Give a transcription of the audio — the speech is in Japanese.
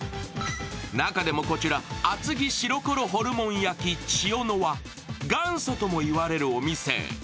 中でもこちら厚木シロコロホルモン焼千代乃は元祖とも言われるお店。